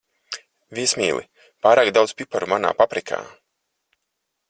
Viesmīli, pārāk daudz piparu manā paprikā.